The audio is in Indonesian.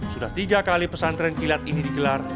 sudah tiga kali pesan tren kilat ini digelar